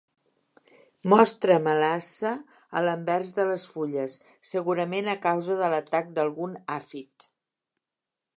Mostra melassa a l'anvers de les fulles, segurament a causa de l'atac d'algun àfid.